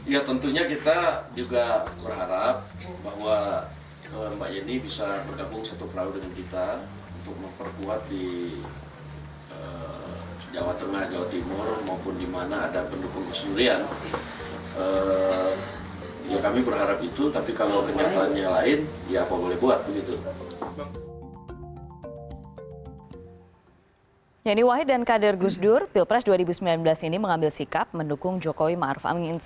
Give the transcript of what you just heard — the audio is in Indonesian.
ya tentunya kita juga berharap bahwa mbak yeni bisa bergabung satu perahu dengan kita